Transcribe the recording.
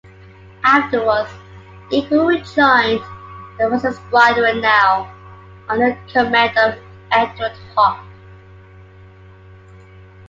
Afterwards "Eagle" rejoined the Western Squadron now under the command of Edward Hawke.